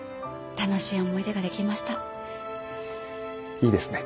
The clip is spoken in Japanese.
いいですね